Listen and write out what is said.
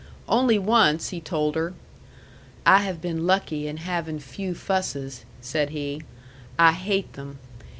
Only once, he told her. "I have been lucky in having few fusses," said he. "I hate them.